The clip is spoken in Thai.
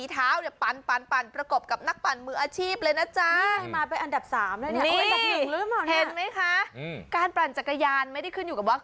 ท่านปั่นจักรยานไม่ได้ขึ้นอยู่กับว่า